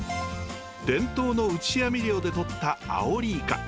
伝統の打ち網漁でとったアオリイカ。